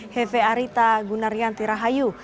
hefe arita gunaryanti rahayu